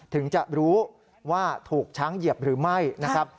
ถึงจะรู้ว่าถูกช้างเหยียบหรือไม่นะครับ